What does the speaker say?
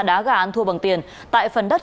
đá gà ăn thua bằng tiền tại phần đất